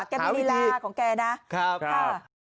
แกมินิลาของแกนะ